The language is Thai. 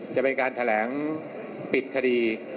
จะเป็นการแถลงปิดคดี